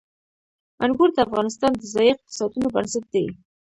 انګور د افغانستان د ځایي اقتصادونو بنسټ دی.